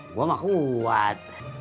gue mah kuat